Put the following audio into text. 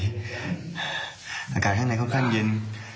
อากาศข้างในเข้าก็ค่อนข้างเย็น